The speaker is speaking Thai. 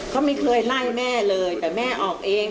เขาไม่เคยไล่แม่เลยแต่แม่ออกเอง